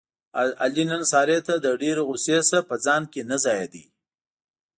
علي نن سارې ته له ډېرې غوسې نه په ځان کې نه ځایېدا.